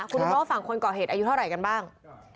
คุณทุกคนฝั่งคนก่อเหตุอายุเท่าไหร่กันบ้าง